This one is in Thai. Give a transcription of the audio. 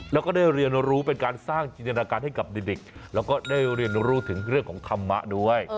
แล้วก็ได้เรียนรู้เป็นการสร้างจินตนาการให้กับเด็กแล้วก็ได้เรียนรู้ถึงเรื่องของธรรมะด้วย